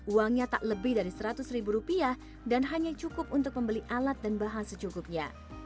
uangnya tak lebih dari seratus ribu rupiah dan hanya cukup untuk membeli alat dan bahan secukupnya